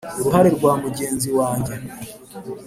uruhare rwa mugenzi wanjye